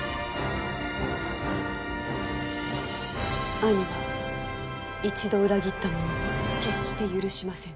兄は一度裏切った者を決して許しませぬ。